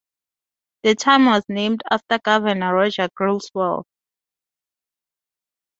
The town was named after Governor Roger Griswold.